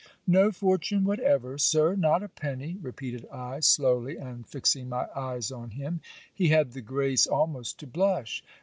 'No fortune whatever, Sir! not a penny!' repeated I, slowly, and fixing my eyes on his. He had the grace almost to blush.